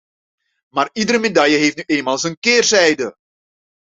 Maar iedere medaille heeft nu eenmaal een keerzijde.